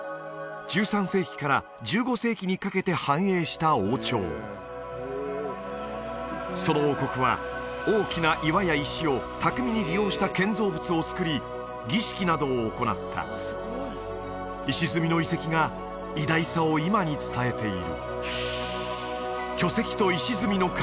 １３世紀から１５世紀にかけて繁栄した王朝その王国は大きな岩や石を巧みに利用した建造物をつくり儀式などを行った石積みの遺跡が偉大さを今に伝えている巨石と石積みの壁